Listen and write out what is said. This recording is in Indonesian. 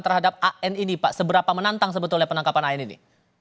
terhadap an ini pak seberapa menantang sebetulnya penangkapan an ini